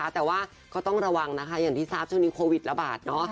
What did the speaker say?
แต่ว่าก็ต้องระวังนะคะอย่างที่ทราบช่วงนี้โควิดระบาด